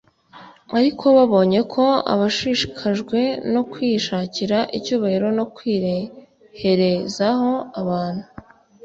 ariko babonye ko adashishikajwe no kwishakira icyubahiro no kwireherezaho abantu